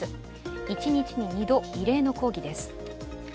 一日に２度、異例の抗議です。